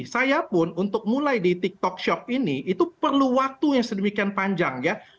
saya pun untuk mulai di tiktok shop ini itu perlu waktu yang sedemikian panjang ya